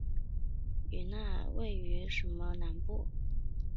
与那原町位于琉球列岛冲绳群岛冲绳岛南部。